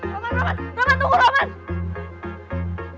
roman roman roman tunggu roman